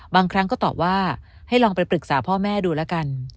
บางครั้งก็ตอบว่าให้ลองไปปรึกษาพ่อแม่ดูแล้วกัน